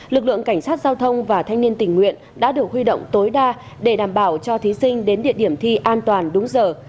lực lượng cảnh sát giao thông và thanh niên tình nguyện đã được huy động tối đa để đảm bảo cho thí sinh đến địa điểm thi an toàn đúng giờ